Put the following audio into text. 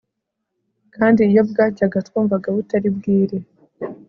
kandi iyo bwacyaga twumvaga butari bwire